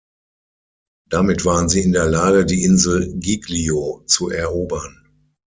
Damit waren sie in der Lage, die Insel Giglio zu erobern.